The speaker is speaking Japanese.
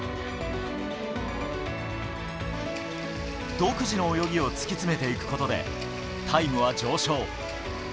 独自の泳ぎを突き詰めていくことでタイムは上昇。